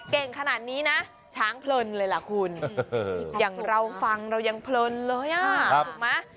เก่งขนาดนี้นะช้างเพลินเลยล่ะคุณอย่างเราฟังเรายังเพลินเลยอ่ะถูกไหม